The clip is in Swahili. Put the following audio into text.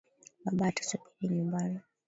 Baba atusubiri nyumbani.